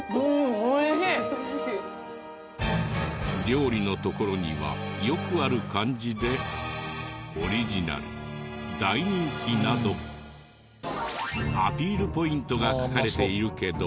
料理のところにはよくある感じで「オリジナル」「大人気」などアピールポイントが書かれているけど。